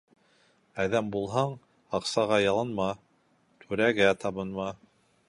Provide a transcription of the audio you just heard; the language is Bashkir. Әҙәм булһаң, аҡсаға ялынма, түрәгә табынма.